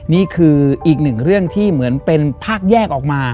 นี่คืออีกหนึ่งเรื่องที่เหมือนเป็นภาคแยกออกมา